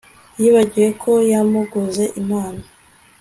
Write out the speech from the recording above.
yibagiwe ko yamuguze impano